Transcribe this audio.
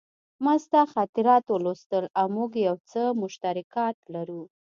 ما ستا خاطرات ولوستل او موږ یو څه مشترکات لرو